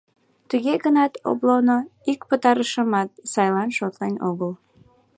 Туге гынат облоно ик пытарышымат сайлан шотлен огыл.